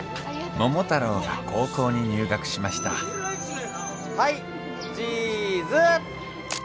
桃太郎が高校に入学しましたはいチーズ。